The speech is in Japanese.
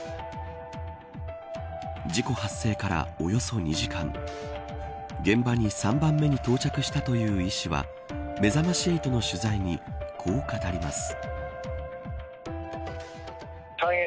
事故発生からおよそ２時間現場に３番目に到着したという医師はめざまし８の取材にこう語ります。